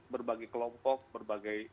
berbagai kelompok berbagai